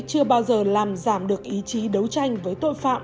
chưa bao giờ làm giảm được ý chí đấu tranh với tội phạm